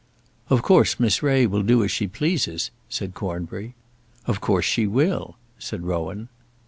"Of course Miss Ray will do as she pleases," said Cornbury. "Of course she will," said Rowan.